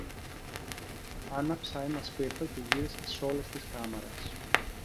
Άναψα ένα σπίρτο και γύρισα σ' όλες τις κάμαρες